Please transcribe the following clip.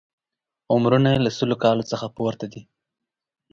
عمرونه یې له سلو کالونو څخه پورته دي.